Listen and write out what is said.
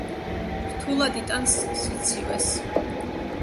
რთულად იტანს სიცივეს.